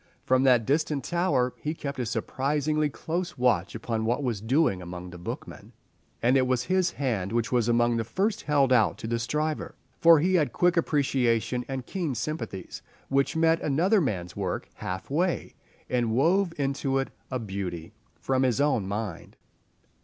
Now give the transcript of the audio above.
From that distant tower he kept a surprisingly close watch upon what was doing among the bookmen, and it was his hand which was among the first held out to the striver, for he had quick appreciation and keen sympathies which met another man's work half way, and wove into it a beauty from his own mind.